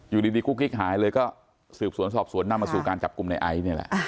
อยู่ดีกุ๊กกิ๊กหายเลยก็สืบสวนสอบสวนนำมาสู่การจับกลุ่มในไอซ์นี่แหละ